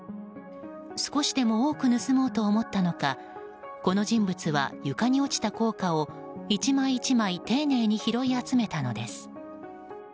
少しでも多く盗もうと思ったのかこの人物は、床に落ちた硬貨を１枚１枚丁寧に拾い集めたのです。